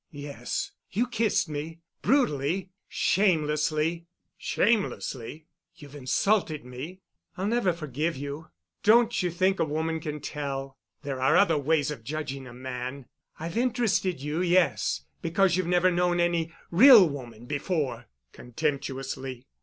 "Yes, you kissed me, brutally, shamelessly——" "Shamelessly?" "You've insulted me. I'll never forgive you. Don't you think a woman can tell? There are other ways of judging a man. I've interested you, yes, because you've never known any real woman before," contemptuously.